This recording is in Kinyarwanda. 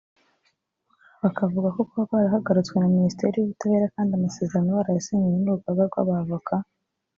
Bakavuga ko kuba barahagaritswe na Minisiteri y’Ubutabera kandi amasezerano barayasinyanye n’Urugaga rw’Abavoka